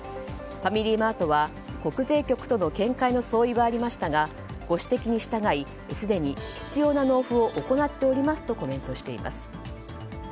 ファミリーマートは国税局との見解の相違はありましたがご指摘に従いすでに必要な納付を行っておりますとコメントしています。